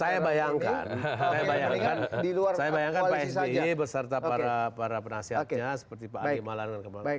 saya bayangkan pak sby beserta para penasihatnya seperti pak andi malang dan kemarin